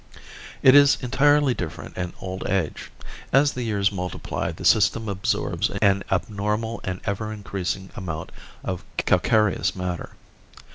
It is entirely different in old age. As the years multiply the system absorbs an abnormal and ever increasing amount of calcareous matter.